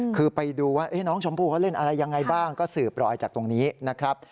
คือไปดูว่าน้องชมพู่เขาเล่นอะไรยังไงบ้างก็สืบรอยจากตรงนี้นะครับ